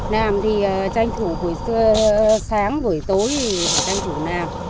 làm thì tranh thủ buổi sáng buổi tối thì tranh thủ làm